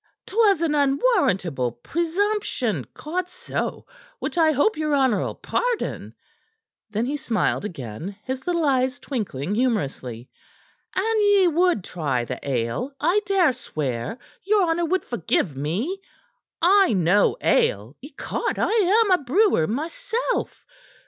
"'Twas an unwarrantable presumption, Codso! which I hope your honor'll pardon." Then he smiled again, his little eyes twinkling humorously. "An ye would try the ale, I dare swear your honor would forgive me. I know ale, ecod! I am a brewer myself.